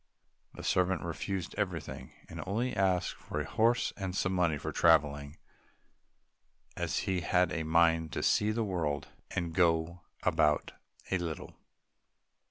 The servant refused everything, and only asked for a horse and some money for traveling, as he had a mind to see the world and go about a little.